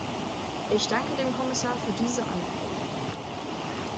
Ich danke dem Kommissar für diese Antwort.